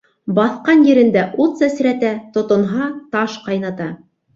Баҫҡан ерендә ут сәсрәтә, тотонһа, таш ҡайната.